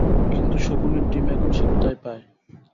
কিন্তু শকুনির ডিম এখন সে কোথায় পায়?